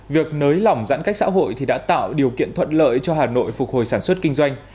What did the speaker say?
việc nới lỏng giãn cách xã hội đã tạo điều kiện thuận lợi cho hà nội phục hồi sản xuất kinh doanh